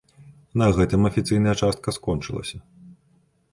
На гэтым афіцыйная частка скончылася.